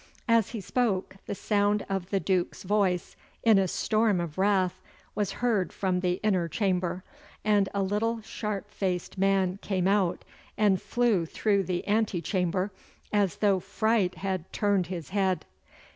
As he spoke the sound of the Duke's voice in a storm of wrath was heard from the inner chamber, and a little sharp faced man came out and flew through the ante chamber as though fright had turned his head.